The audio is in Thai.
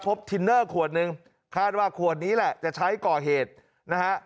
ทินเนอร์ขวดหนึ่งคาดว่าขวดนี้แหละจะใช้ก่อเหตุนะฮะ